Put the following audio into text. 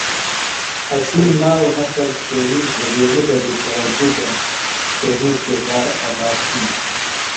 اسی ناوہ نسل تیݨی زُبینی ڈڈیࣿ توجہ دےۡ تیݨی کردار ادا تِھین۔